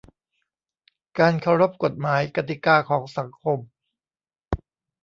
การเคารพกฎหมายกติกาของสังคม